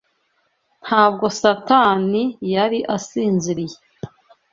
Ntabwo Satani yari asinziriye